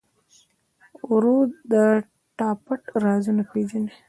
ورور د تا پټ رازونه پېژني.